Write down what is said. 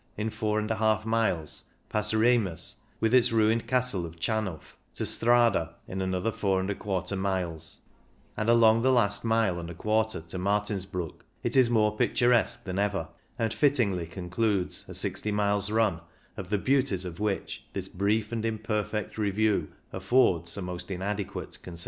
in 4^ miles, past RemuSy with its ruined castle of TfichanufF, to Strada, in another 4^ miles, and along the last mile and a quarter to Martinsbruck it is more picturesque than ever, and fittingly concludes a 60 miles' run of the beauties of which this brief and imperfect review affords a most inadequate conception.